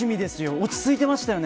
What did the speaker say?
落ち着いていましたね。